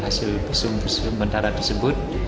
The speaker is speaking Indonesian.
hasil pesum pesum mentara tersebut